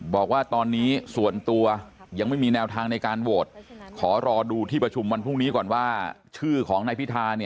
บอกว่าตอนนี้ส่วนตัวยังไม่มีแนวทางในการโหวต